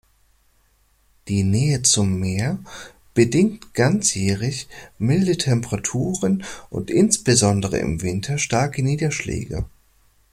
Die Nähe zum Meer bedingt ganzjährig milde Temperaturen und insbesondere im Winter starke Niederschläge.